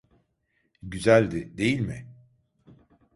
Güzeldi, değil mi?